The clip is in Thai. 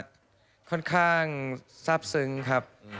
ก็ตอนอัดเสียงเนี่ยจะค่อนข้างซับซึ้งครับ